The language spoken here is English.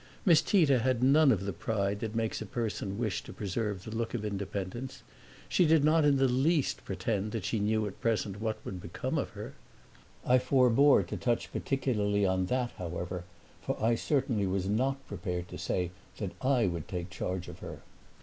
Miss Tita had none of the pride that makes a person wish to preserve the look of independence; she did not in the least pretend that she knew at present what would become of her. I forebore to touch particularly on that, however, for I certainly was not prepared to say that I would take charge of her.